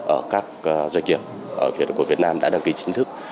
ở các doanh nghiệp của việt nam đã đăng ký chính thức